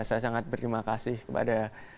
saya sangat berterima kasih kepada